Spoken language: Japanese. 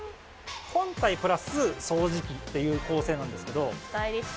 本体＋掃除機っていう構成なんですけど。